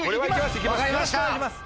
いきます！